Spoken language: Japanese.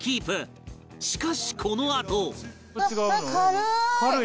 しかしこのあと